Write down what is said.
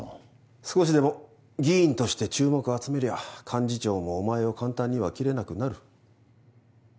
少しでも議員として注目を集めりゃ幹事長もお前を簡単には切れなくなる。